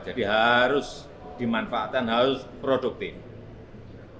jadi harus dimanfaatkan harus produktif